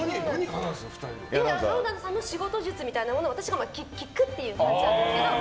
ＲＯＬＡＮＤさんの仕事術みたいなものを私が聞くという感じなんですけど。